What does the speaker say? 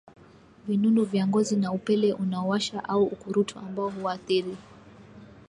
Vinundu vya Ngozi na Upele Unaowasha au Ukurutu ambao huathiri